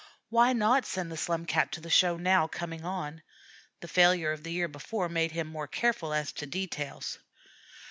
Why not send the Slum Cat to the show now coming on? The failure of the year before made him more careful as to details.